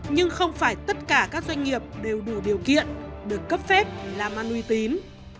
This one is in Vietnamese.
nhưng không phải tất cả các doanh nghiệp đều đủ điều kiện được cấp phép làm ăn uy tín